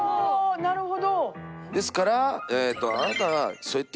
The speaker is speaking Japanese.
なるほど。